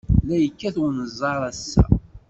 La yekkat unẓar ass-a.